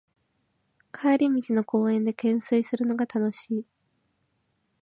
帰り道の公園でけんすいするのが楽しい